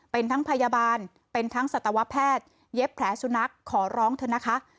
เป็นทั้งพยาบาลเป็นทั้งสัตวแพทย์เย็บแผลสุนัขขอร้องเถอะนะคะ